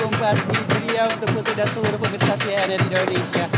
untuk betul betul dan seluruh pemerintah saya ada di indonesia